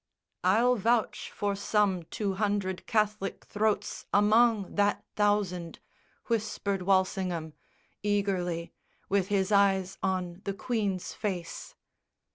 _ "I'll vouch for some two hundred Catholic throats Among that thousand," whispered Walsingham Eagerly, with his eyes on the Queen's face.